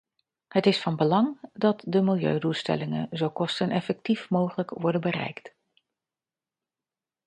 Het is van belang dat de milieudoelstellingen zo kosteneffectief mogelijk worden bereikt.